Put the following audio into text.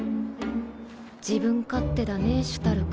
自分勝手だねシュタルクは。